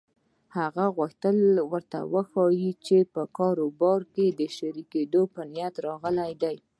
هغه غوښتل ورته وښيي چې په کاروبار کې د شريکېدو په نيت راغلی دی.